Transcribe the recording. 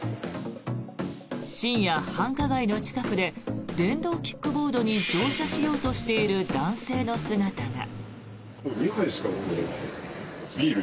深夜、繁華街の近くで電動キックボードに乗車しようとしている男性の姿が。